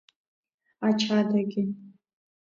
Ача адагьы…